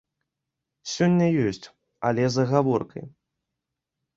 Сёння ёсць, але з агаворкай.